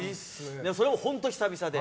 それも本当久々で。